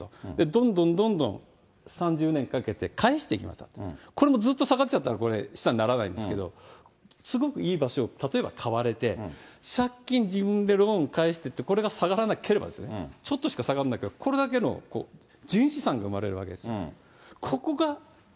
どんどんどんどん３０年かけて返してきましたと、これもずっと下がっちゃったら、これ、資産にならないんですけど、すごくいい場所を例えば買われて、借金、自分でローン返してって、これが下がらなければ、ちょっとしか下がらなければ、これだけの純資産が生まれるわけですよ。